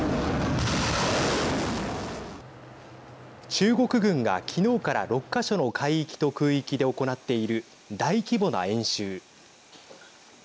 中国軍が昨日から６か所の海域と空域で行っている大規模な演習。